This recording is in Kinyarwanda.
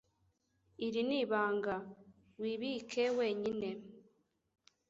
Iri ni ibanga. Wibike wenyine.